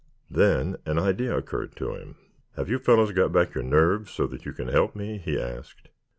Then an idea occurred to him. "Have you fellows got back your nerve so that you can help me?" he asked.